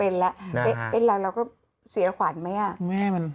เนตระเราก็เสียขวัญไหม